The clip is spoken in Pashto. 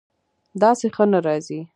داسې ښه نه راځي